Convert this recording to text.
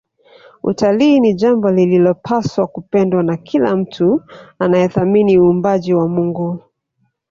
Utalii ni jambo linalopaswa kupendwa na kila mtu anayethamini uumbaji wa Mungu